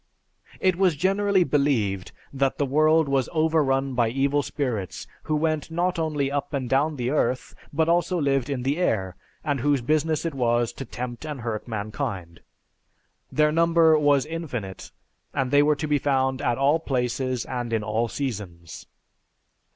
"It was generally believed that the world was overrun by evil spirits who went not only up and down the earth, but also lived in the air, and whose business it was to tempt and hurt mankind. Their number was infinite, and they were to be found at all places and in all seasons.